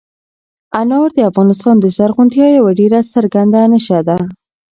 انار د افغانستان د زرغونتیا یوه ډېره څرګنده نښه ده.